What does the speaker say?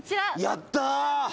やった！